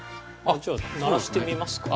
じゃあ鳴らしてみますか。